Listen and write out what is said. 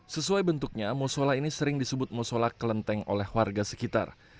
sesuai bentuknya musola ini sering disebut musola kelenteng oleh warga sekitar